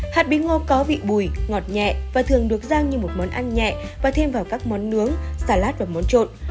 hạt bí ngô có vị bùi ngọt nhẹ và thường được răng như một món ăn nhẹ và thêm vào các món nướng xà lát và món trộn